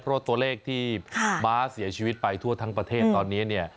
เพราะตัวเลขที่ม้าเสียชีวิตไปทั่วทั้งประเทศตอนนี้เนี่ย